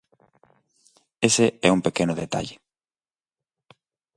Ese é un pequeno detalle.